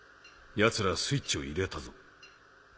ヤツらスイッチを入れたぞ。